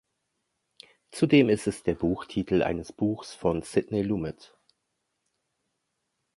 Zudem ist es Buchtitel eines Buchs von Sidney Lumet.